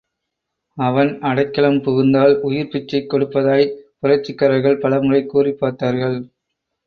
அவன் அடைக்கலம் புகுந்தால் உயிர்ப்பிச்சை கொடுப்பதாய்ப் புரட்சிக்கார்கள் பலமுறை கூறிப்பார்த்தார்கள்.